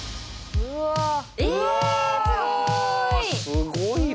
すごいね。